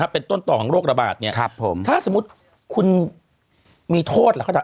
เป็นต้นต่อของโรคระบาดถ้าสมมติคุณมีโทษแหละ